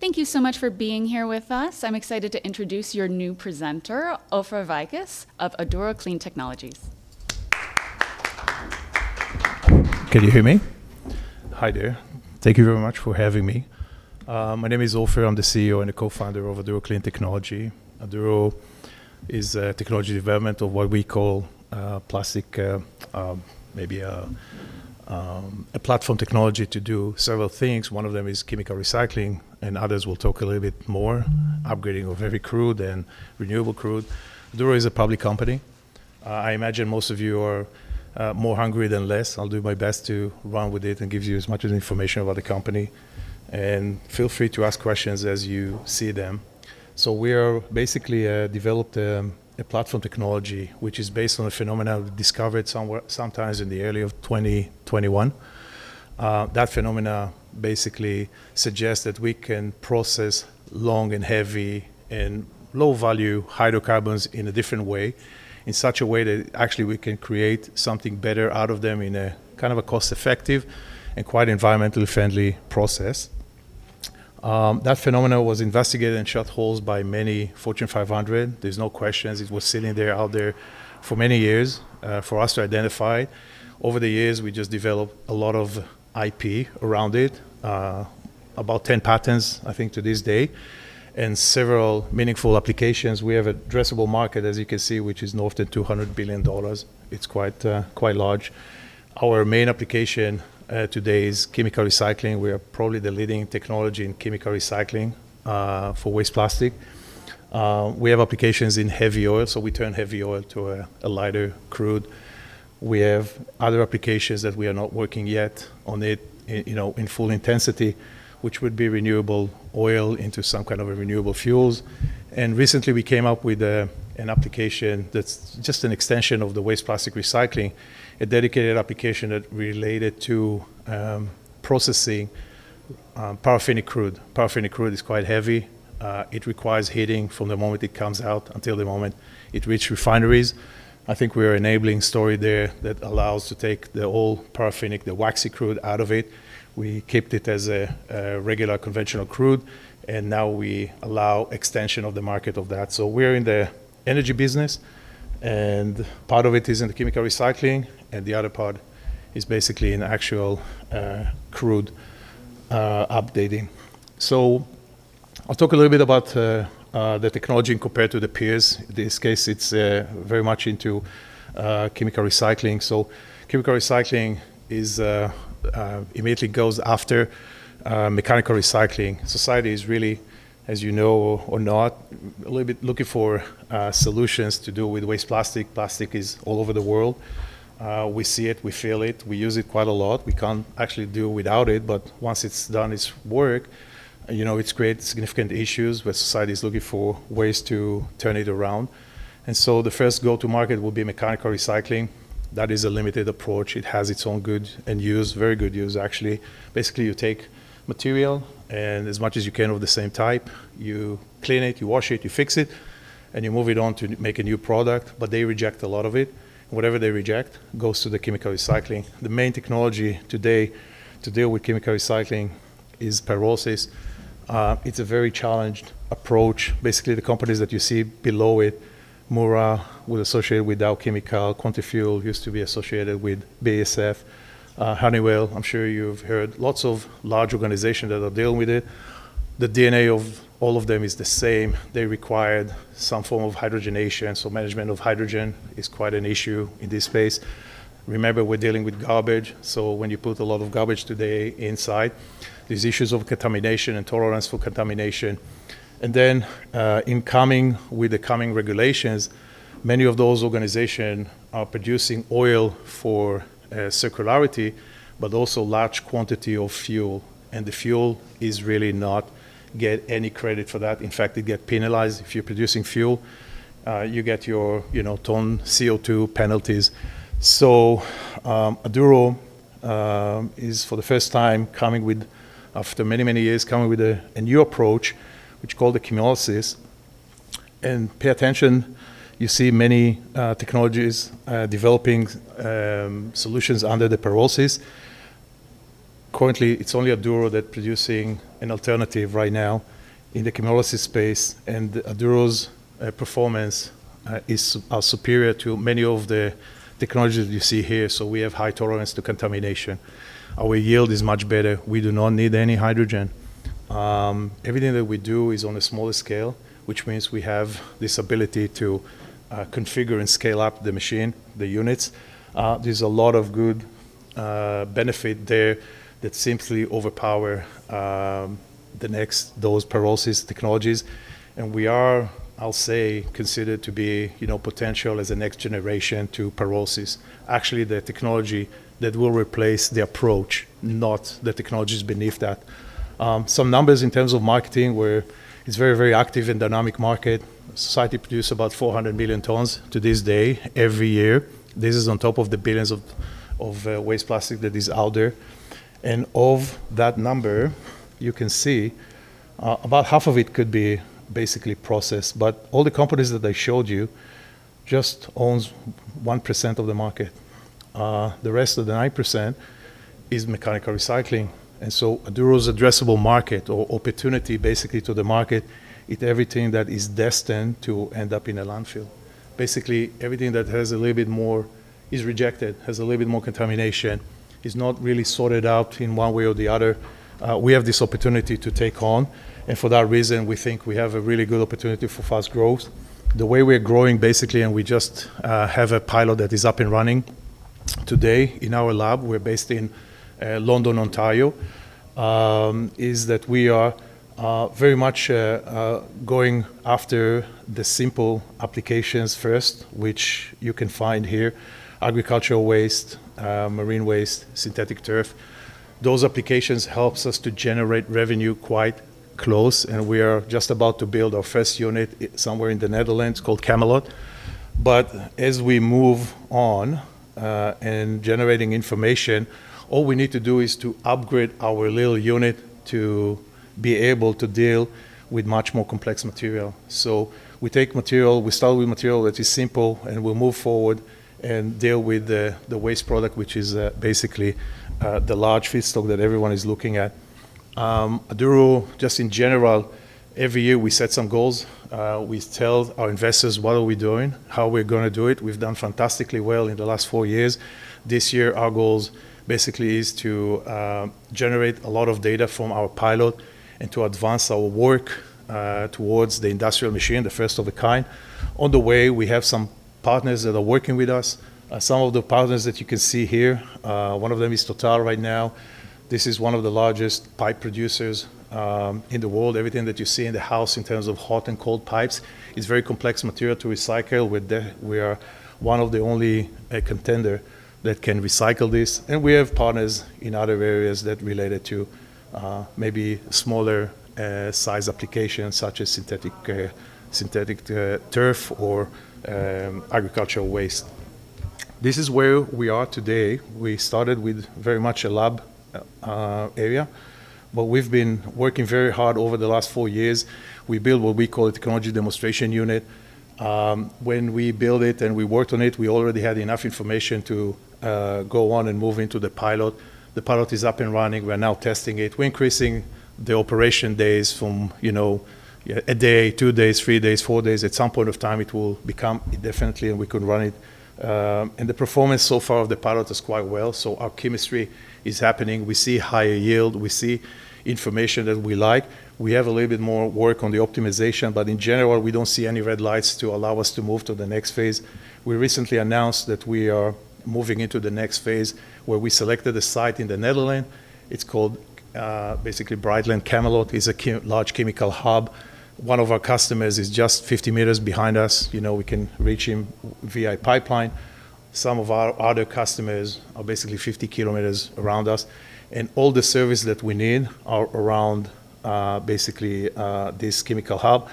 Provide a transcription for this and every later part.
Thank you so much for being here with us. I'm excited to introduce your new presenter, Ofer Vicus of Aduro Clean Technologies. Can you hear me? Hi there. Thank you very much for having me. My name is Ofer. I'm the CEO and a co-founder of Aduro Clean Technologies. Aduro is a technology development of what we call plastic, a platform technology to do several things. One of them is chemical recycling, and others will talk a little bit more. Upgrading of heavy crude and renewable crude. Aduro is a public company. I imagine most of you are more hungry than less. I'll do my best to run with it and give you as much information about the company. Feel free to ask questions as you see them. We are basically developed a platform technology which is based on a phenomena discovered sometimes in the early of 2021. That phenomena basically suggests that we can process long and heavy and low-value hydrocarbons in a different way, in such a way that actually we can create something better out of them in a kind of a cost-effective and quite environmentally friendly process. That phenomena was investigated and shot holes by many Fortune 500. There's no question it was sitting there out there for many years for us to identify. Over the years, we just developed a lot of IP around it. About 10 patents, I think, to this day, and several meaningful applications. We have addressable market, as you can see, which is north of 200 billion dollars. It's quite quite large. Our main application today is chemical recycling. We are probably the leading technology in chemical recycling for waste plastic. We have applications in heavy oil, so we turn heavy oil to a lighter crude. We have other applications that we are not working yet on it, you know, in full intensity, which would be renewable oil into some kind of a renewable fuels. Recently we came up with an application that's just an extension of the waste plastic recycling, a dedicated application that related to processing paraffinic crude. Paraffinic crude is quite heavy. It requires heating from the moment it comes out until the moment it reach refineries. I think we are enabling story there that allows to take the whole paraffinic, the waxy crude out of it. We kept it as a regular conventional crude, and now we allow extension of the market of that. We're in the energy business, and part of it is in the chemical recycling, and the other part is basically in the actual crude updating. I'll talk a little bit about the technology compared to the peers. This case, it's very much into chemical recycling. Chemical recycling is immediately goes after mechanical recycling. Society is really, as you know or not, a little bit looking for solutions to deal with waste plastic. Plastic is all over the world. We see it, we feel it, we use it quite a lot. We can't actually do without it, but once it's done its work, you know, it creates significant issues where society is looking for ways to turn it around. The first go-to-market will be mechanical recycling. That is a limited approach. It has its own good end use, very good use, actually. Basically, you take material and as much as you can of the same type, you clean it, you wash it, you fix it, and you move it on to make a new product, but they reject a lot of it. Whatever they reject goes to the chemical recycling. The main technology today to deal with chemical recycling is pyrolysis. It's a very challenged approach. Basically, the companies that you see below it, Mura was associated with Dow Chemical. Quantafuel used to be associated with BASF. Honeywell, I'm sure you've heard. Lots of large organizations that are dealing with it. The DNA of all of them is the same. They required some form of hydrogenation, so management of hydrogen is quite an issue in this space. Remember, we're dealing with garbage, so when you put a lot of garbage today inside, there's issues of contamination and tolerance for contamination. In coming with the coming regulations, many of those organization are producing oil for circularity, but also large quantity of fuel, and the fuel is really not get any credit for that. In fact, they get penalized. If you're producing fuel, you get your, you know, ton CO2 penalties. Aduro is for the first time coming with, after many years, coming with a new approach, which called the chemolysis. Pay attention, you see many technologies developing solutions under the pyrolysis. Currently, it's only Aduro that producing an alternative right now in the chemolysis space, Aduro's performance are superior to many of the technologies you see here. We have high tolerance to contamination. Our yield is much better. We do not need any hydrogen. Everything that we do is on a smaller scale, which means we have this ability to configure and scale up the units. There's a lot of good benefit there that simply overpower those pyrolysis technologies. We are, I'll say, considered to be, you know, potential as a next generation to pyrolysis. Actually, the technology that will replace the approach, not the technologies beneath that. Some numbers in terms of marketing where it's very, very active and dynamic market. Society produce about 400 million tons to this day every year. This is on top of the billions of waste plastic that is out there. Of that number, you can see, about half of it could be basically processed. All the companies that I showed you just owns 1% of the market. The rest of the 9% is mechanical recycling. Aduro's addressable market or opportunity basically to the market is everything that is destined to end up in a landfill. Basically, everything that has a little bit more-- is rejected, has a little bit more contamination, is not really sorted out in one way or the other, we have this opportunity to take on. For that reason, we think we have a really good opportunity for fast growth. The way we are growing basically, and we just have a pilot that is up and running today in our lab, we're based in London, Ontario, is that we are very much going after the simple applications first, which you can find here. Agricultural waste, marine waste, synthetic turf. Those applications helps us to generate revenue quite close, and we are just about to build our first unit somewhere in the Netherlands called Chemelot. As we move on, in generating information, all we need to do is to upgrade our little unit to be able to deal with much more complex material. We take material, we start with material that is simple, and we'll move forward and deal with the waste product, which is basically the large feedstock that everyone is looking at. Aduro, just in general, every year we set some goals. We tell our investors what are we doing, how we're gonna do it. We've done fantastically well in the last four years. This year, our goals basically is to generate a lot of data from our pilot and to advance our work towards the industrial machine, the first of a kind. On the way, we have some partners that are working with us. Some of the partners that you can see here, one of them is Total right now. This is one of the largest pipe producers in the world. Everything that you see in the house in terms of hot and cold pipes is very complex material to recycle. We are one of the only contender that can recycle this. We have partners in other areas that related to maybe smaller size applications such as synthetic turf or agricultural waste. This is where we are today. We started with very much a lab area, but we've been working very hard over the last four years. We built what we call a technology demonstration unit. When we built it and we worked on it, we already had enough information to go on and move into the pilot. The pilot is up and running. We're now testing it. We're increasing the operation days from, you know, one day, two days, three days, four days. At some point of time, it will become indefinitely, and we could run it. The performance so far of the pilot is quite well, so our chemistry is happening. We see higher yield. We see information that we like. We have a little bit more work on the optimization, but in general, we don't see any red lights to allow us to move to the next phase. We recently announced that we are moving into the next phase where we selected a site in the Netherlands. It's called, basically Brightlands Chemelot. It's a large chemical hub. One of our customers is just 50 meters behind us. You know, we can reach him via pipeline. Some of our other customers are basically 50 km around us. All the service that we need are around, basically, this chemical hub.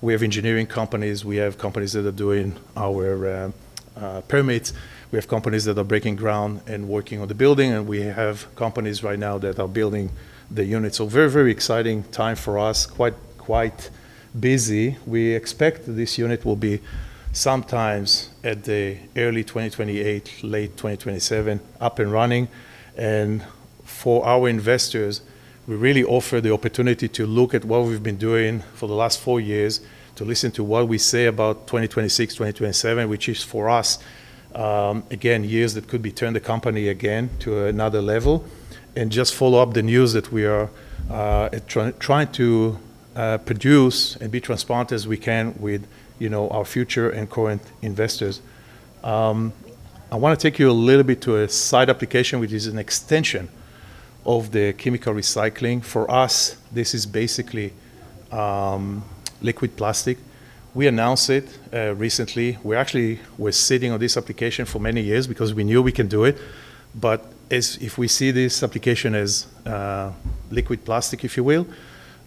We have engineering companies. We have companies that are doing our permits. We have companies that are breaking ground and working on the building, and we have companies right now that are building the unit. Very, very exciting time for us. Quite, quite busy. We expect this unit will be sometimes at the early 2028, late 2027, up and running. For our investors, we really offer the opportunity to look at what we've been doing for the last four years, to listen to what we say about 2026, 2027, which is for us, again, years that could be turn the company again to another level, and just follow up the news that we are trying to produce and be transparent as we can with, you know, our future and current investors. I want to take you a little bit to a side application, which is an extension of the chemical recycling. For us, this is basically liquid plastic. We announced it recently. We actually were sitting on this application for many years because we knew we can do it. If we see this application as liquid plastic, if you will,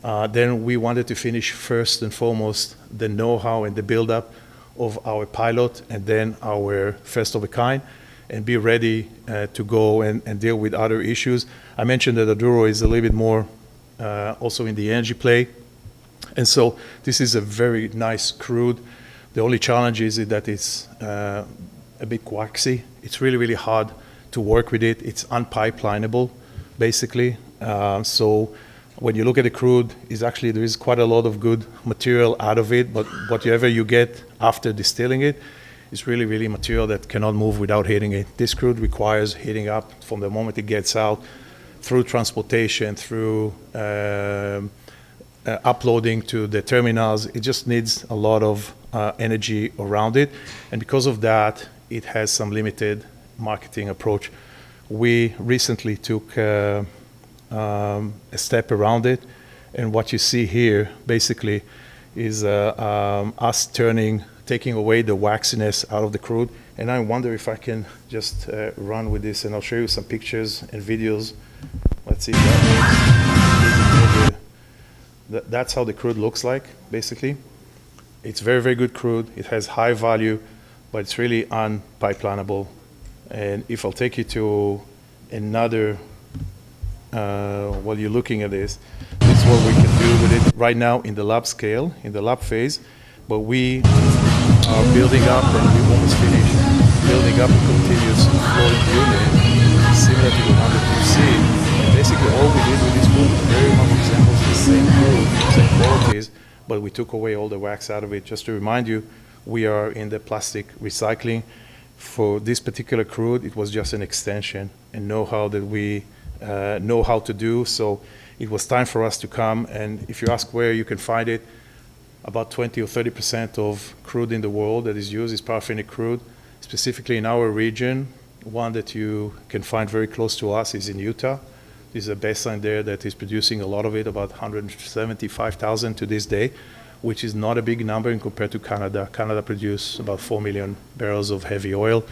then we wanted to finish first and foremost the know-how and the build-up of our pilot and then our first of a kind and be ready to go and deal with other issues. I mentioned that Aduro is a little bit more also in the energy play. This is a very nice crude. The only challenge is that it's a bit waxy. It's really hard to work with it. It's unpipelineable, basically. When you look at the crude, it's actually there is quite a lot of good material out of it, but whatever you get after distilling it is really material that cannot move without heating it. This crude requires heating up from the moment it gets out through transportation, through uploading to the terminals. It just needs a lot of energy around it, and because of that, it has some limited marketing approach. We recently took a step around it, and what you see here basically is us taking away the waxiness out of the crude. I wonder if I can just run with this, and I'll show you some pictures and videos. Let's see if that works. That's how the crude looks like, basically. It's very good crude. It has high value, it's really unpipelineable. If I'll take you to another, while you're looking at this is what we can do with it right now in the lab scale, in the lab phase. We are building up, and we're almost finished building up a continuous flow unit similar to the 100 PC. Basically all we did with this boom is very much it's almost the same crude, same qualities, but we took away all the wax out of it. Just to remind you, we are in the plastic recycling. For this particular crude, it was just an extension and know-how that we know how to do. It was time for us to come, and if you ask where you can find it, about 20% or 30% of crude in the world that is used is paraffinic crude. Specifically in our region, one that you can find very close to us is in Utah. There's a basin there that is producing a lot of it, about 175,000 to this day, which is not a big number in compared to Canada. Canada produce about 4 million bbl of heavy oil.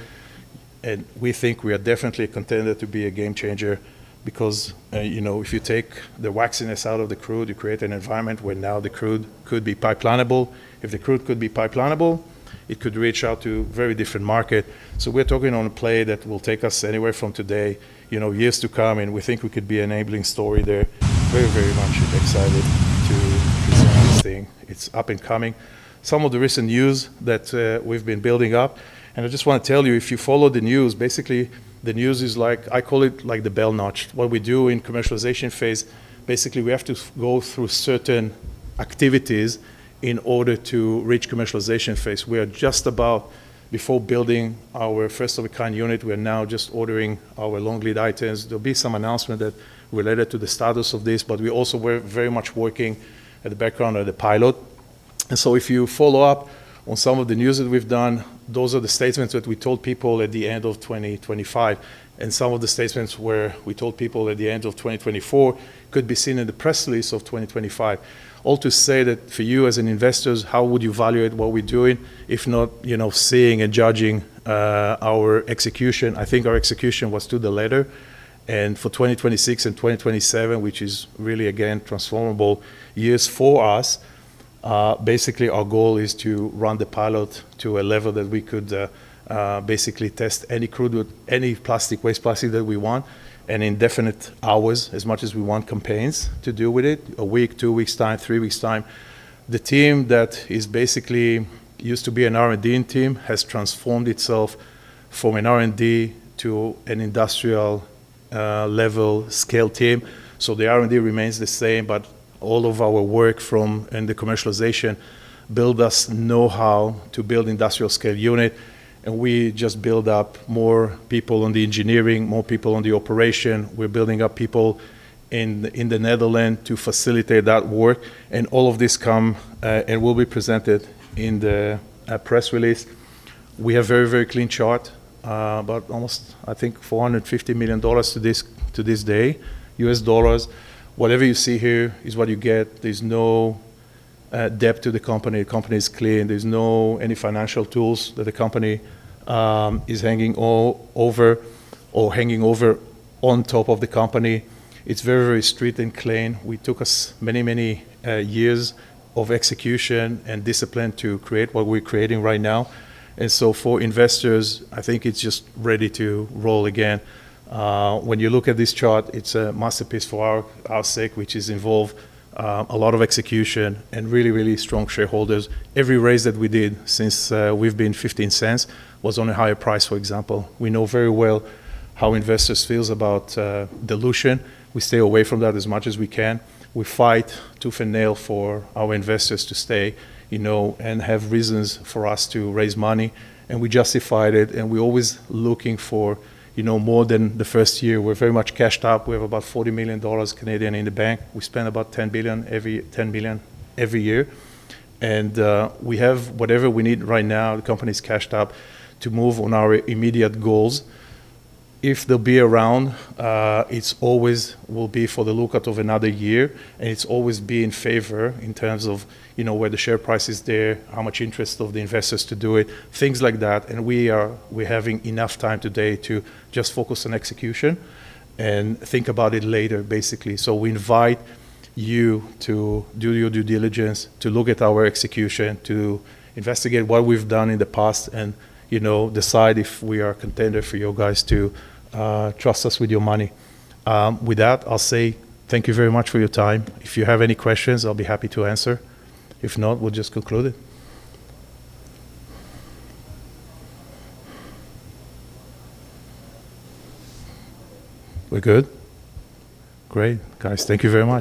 We think we are definitely a contender to be a game changer because, you know, if you take the waxiness out of the crude, you create an environment where now the crude could be pipelinable. If the crude could be pipelinable, it could reach out to very different market. We're talking on a play that will take us anywhere from today, you know, years to come, and we think we could be enabling story there. Very much excited to present this thing. It's up and coming. Some of the recent news that we've been building up, and I just wanna tell you, if you follow the news, basically the news is like I call it like the bell notch. What we do in commercialization phase, basically, we have to go through certain activities in order to reach commercialization phase. We are just about before building our first of a kind unit. We are now just ordering our long lead items. There'll be some announcement that related to the status of this, but we also very much working at the background of the pilot. If you follow up on some of the news that we've done, those are the statements that we told people at the end of 2025. Some of the statements where we told people at the end of 2024 could be seen in the press release of 2025. All to say that for you as an investors, how would you evaluate what we're doing if not, you know, seeing and judging our execution? I think our execution was to the latter. For 2026 and 2027, which is really again transformable years for us, basically our goal is to run the pilot to a level that we could basically test any crude with any plastic waste, plastic that we want, and indefinite hours as much as we want campaigns to do with it, one week, two weeks time, three weeks time. The team that is basically used to be an R&D team has transformed itself from an R&D to an industrial level scale team. The R&D remains the same, but all of our work from in the commercialization build us know-how to build industrial scale unit, and we just build up more people on the engineering, more people on the operation. We're building up people in the Netherlands to facilitate that work. All of this come and will be presented in the press release. We have very clean chart about almost, I think, $450 million to this, to this day, US dollars. Whatever you see here is what you get. There's no debt to the company. The company is clean. There's no any financial tools that the company is hanging all over or hanging over on top of the company. It's very straight and clean. We took us many, many years of execution and discipline to create what we're creating right now. For investors, I think it's just ready to roll again. When you look at this chart, it's a masterpiece for our sake, which is involved a lot of execution and really strong shareholders. Every raise that we did since we've been 0.15 was on a higher price, for example. We know very well how investors feels about dilution. We stay away from that as much as we can. We fight tooth and nail for our investors to stay, you know, and have reasons for us to raise money. We justified it. We always looking for, you know, more than the first year. We're very much cashed up. We have about 40 million Canadian dollars in the bank. We spend about 10 million every year. We have whatever we need right now. The company's cashed up to move on our immediate goals. If they'll be around, it's always will be for the lookout of another year, and it's always be in favor in terms of, you know, where the share price is there, how much interest of the investors to do it, things like that. We're having enough time today to just focus on execution and think about it later, basically. We invite you to do your due diligence, to look at our execution, to investigate what we've done in the past and, you know, decide if we are a contender for you guys to trust us with your money. With that, I'll say thank you very much for your time. If you have any questions, I'll be happy to answer. If not, we'll just conclude it. We're good? Great. Guys, thank you very much.